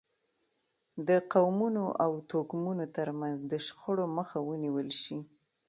د قومونو او توکمونو ترمنځ د شخړو مخه ونیول شي.